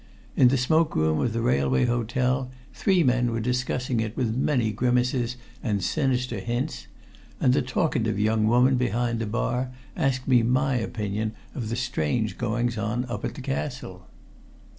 In the smoke room of the railway hotel three men were discussing it with many grimaces and sinister hints, and the talkative young woman behind the bar asked me my opinion of the strange goings on up at the Castle.